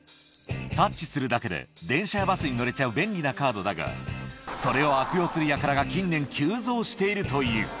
タッチするだけで電車やバスに乗れちゃう便利なカードだが、それを悪用するやからが近年急増しているという。